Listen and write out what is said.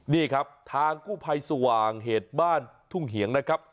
นี่ครับทางกู้ภัยสว่างเหตุบ้านทุ่งเหียงนะครับ